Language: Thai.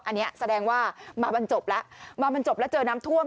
อันนี้แสดงว่ามาบันจบแล้วเจอน้ำท่วม